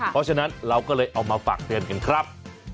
เพราะฉะนั้นเราก็เลยเอามาฝากเตือนกันครับ